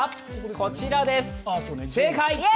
こちらです、正解！